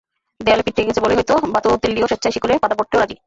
দেয়ালে পিঠ ঠেকে গেছে বলেই হয়তো বালোতেল্লিও স্বেচ্ছায় শেকলে বাঁধা পড়তেও রাজি।